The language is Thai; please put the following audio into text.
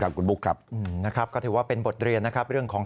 คุณบุ๊คครับนะครับก็ถือว่าเป็นบทเรียนนะครับเรื่องของ